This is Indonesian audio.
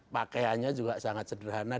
pakaiannya juga sangat sederhana